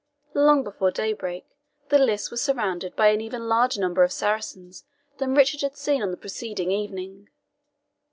Long before daybreak the lists were surrounded by even a larger number of Saracens than Richard had seen on the preceding evening.